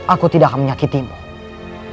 aku hindukanmu chittan